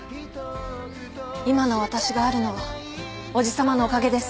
今の私があるのはおじ様のおかげです。